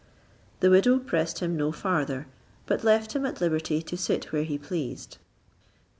The widow pressed him no farther, but left him at liberty to sit where he pleased.